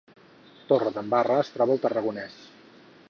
Torredembarra es troba al Tarragonès